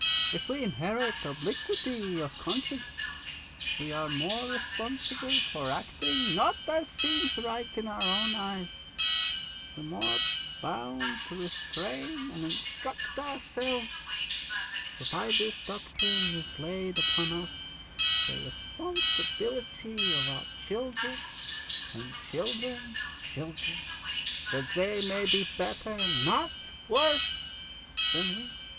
If we inherit obliquity of conscience, we are the more responsible for acting not as seems right in our own eyes, the more bound to restrain and instruct ourselves, for by this doctrine is laid upon us the responsibility of our children and children's children, that they may be better, not worse, than we.'